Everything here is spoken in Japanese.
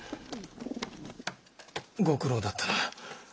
ご苦労だったな。